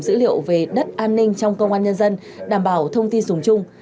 dữ liệu về đất an ninh trong công an nhân dân đảm bảo thông tin dùng chung